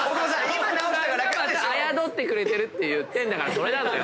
「あやどってくれる」って言ってんだからそれなんだよ。